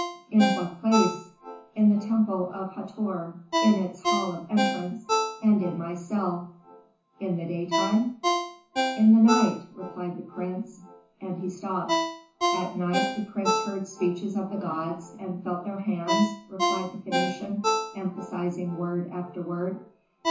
"In what place?" "In the temple of Hator, in its hall of entrance, and in my cell." "In the daytime?" "In the night," replied the prince; and he stopped. "At night the prince heard speeches of the gods, and felt their hands," replied the Phœnician, emphasizing word after word.